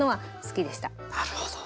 なるほど。